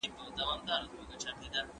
ډېر چاڼ باید د لوړ ږغ سره دلته راوړل سي.